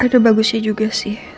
ada bagusnya juga sih